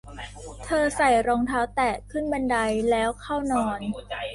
เธอใส่รองเท้าแตะ ขึ้นบันไดแล้วเข้านอน